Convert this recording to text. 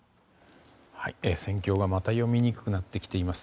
戦況がまた読みにくくなってきています。